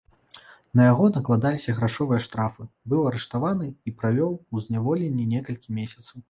На яго накладаліся грашовыя штрафы, быў арыштаваны і правёў у зняволенні некалькі месяцаў.